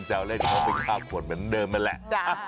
แววเล่นเขาก็ไปคาบขวดเหมือนเดิมนั่นแหละ